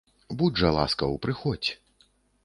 Будзь жа ласкаў, прыходзь.